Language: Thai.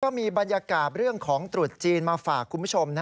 มีบรรยากาศเรื่องของตรุษจีนมาฝากคุณผู้ชม